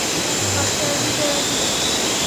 বাচ্চা তার ভিতরে আছে, ভানু।